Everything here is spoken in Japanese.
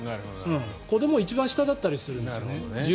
子ども、順位が一番下だったりするんですよね。